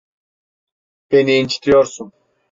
Beni incitiyorsun.